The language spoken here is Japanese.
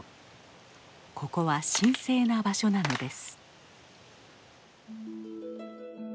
ここは神聖な場所なのです。